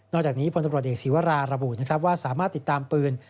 จากนี้พลตำรวจเอกศีวราระบุนะครับว่าสามารถติดตามปืน